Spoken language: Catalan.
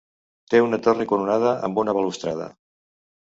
Té una torre coronada amb una balustrada.